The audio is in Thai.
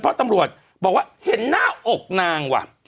เพราะตำรวจบอกว่าเห็นหน้าอกนางว่ะ